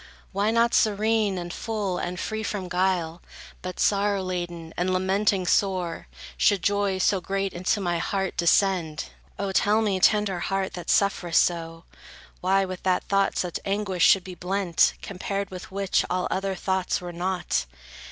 Why not serene, and full, and free from guile But sorrow laden, and lamenting sore, Should joy so great into my heart descend? O tell me, tender heart, that sufferest so, Why with that thought such anguish should be blent, Compared with which, all other thoughts were naught?